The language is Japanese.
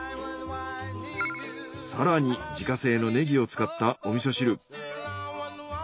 更に自家製のネギを使ったお味噌汁。